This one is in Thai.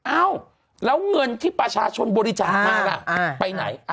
เอ้าแล้วเงินที่ประชาชนบริจาคมาล่ะไปไหน